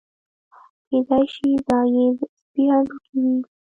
کېدای شي دا یې د سپي هډوکي وي.